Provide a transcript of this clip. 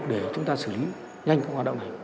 để chúng ta xử lý nhanh các hoạt động này